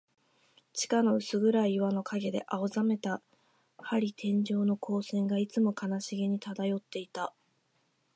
地下の薄暗い岩の影で、青ざめた玻璃天井の光線が、いつも悲しげに漂っていた。